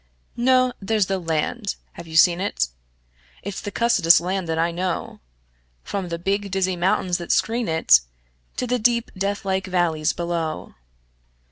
No! There's the land. (Have you seen it?) It's the cussedest land that I know, From the big, dizzy mountains that screen it To the deep, deathlike valleys below.